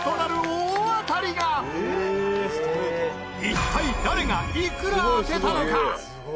一体誰がいくら当てたのか！？